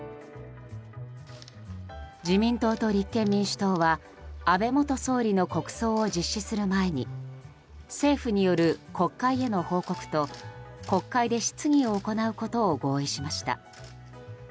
自民党と立憲民主党は安倍元総理の国葬を実施する前に政府による国会への報告と国会で質疑を行うことを合意しました。